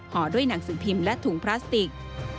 ห่อด้วยหนังสือพิมพ์และถุงพลาสติก